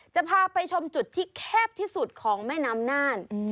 จะพาไปชมจุดที่แคบที่สุดของแม่น้ำน่าน